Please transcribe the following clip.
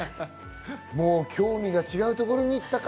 もう興味が違うところに行ったか。